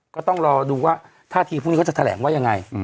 ก็ต้องรอดูว่าท่าทีพรุ่งนี้เขาจะแถลงว่ายังไง